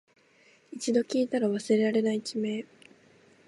一度聞いたら忘れられない地名